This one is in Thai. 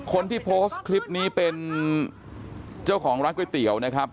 คนที่โพสต์คลิปนี้เป็นเจ้าของร้านก๋วยเตี๋ยวนะครับ